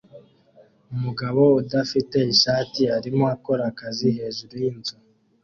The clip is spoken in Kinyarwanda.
Umugabo udafite ishati arimo akora akazi hejuru yinzu